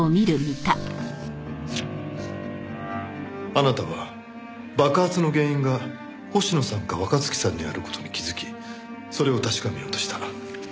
あなたは爆発の原因が星野さんか若月さんにある事に気づきそれを確かめようとした。